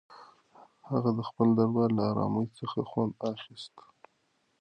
هغه د خپل دربار له ارامۍ څخه خوند اخیست.